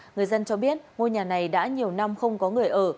người dân cho biết ngôi nhà này đã nhiều năm không có người ở